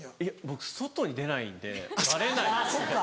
僕外に出ないんでバレないですね。